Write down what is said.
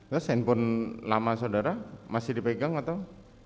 terus handphone lama saudara masih dipegang atau